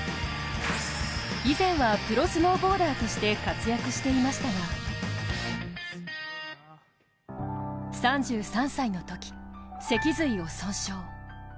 以前はプロスノーボーダーとして活躍していましたが３３歳のとき、脊髄を損傷。